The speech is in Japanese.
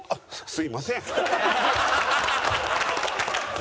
「すいません」。